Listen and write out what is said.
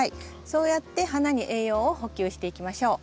そうやって花に栄養を補給していきましょう。